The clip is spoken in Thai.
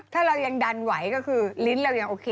ถ้าเรายังดันไหวก็คือลิ้นเรายังโอเค